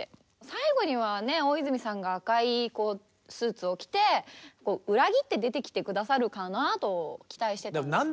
最後には大泉さんが赤いスーツを着て裏切って出てきて下さるかなと期待してたんですけど。